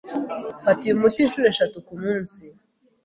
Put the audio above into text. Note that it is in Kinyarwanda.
Fata uyu muti inshuro eshatu kumunsi.